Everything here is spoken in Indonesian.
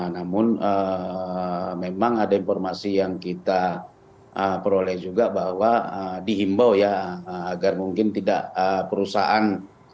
namun memang ada informasi yang kita peroleh juga bahwa dihimbau ya agar mungkin tidak perusahaan